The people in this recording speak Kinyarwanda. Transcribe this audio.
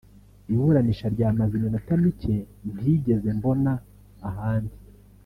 Iburanisha ryamaze iminota mike ntigeze mbona ahandi